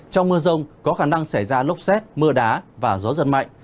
trong mưa rông có khả năng xảy ra lốc xét mưa đá và gió giật mạnh